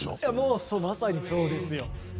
もうまさにそうですよ。